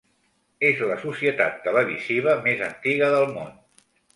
És la societat televisiva més antiga del món.